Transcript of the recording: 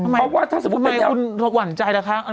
เพราะว่าถ้าสมมุติเป็นแนวทางที่๒ทำไมคุณหวั่นใจล่ะคะ